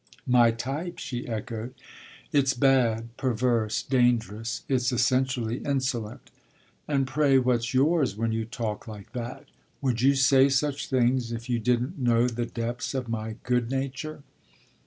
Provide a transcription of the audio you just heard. "My type?" she echoed. "It's bad, perverse, dangerous. It's essentially insolent." "And pray what's yours when you talk like that? Would you say such things if you didn't know the depths of my good nature?"